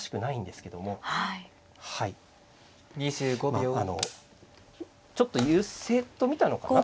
まああのちょっと優勢と見たのかな。